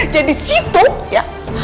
jadi situ ya